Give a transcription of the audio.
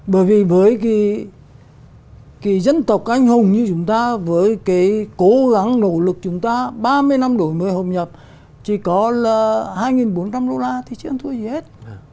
bởi vì với cái dân tộc anh hùng như chúng ta với cái cố gắng nỗ lực chúng ta ba mươi năm đổi mới hội nhập chỉ có là hai bốn trăm linh đô la thì trên thôi gì hết